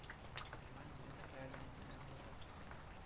Ein Mann in Winterkleidung ist mit einem Hund am Strand.